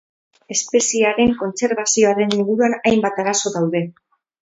Espeziearen kontserbazioaren inguruan hainbat arazo daude.